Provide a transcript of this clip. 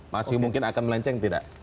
masih mungkin akan melenceng tidak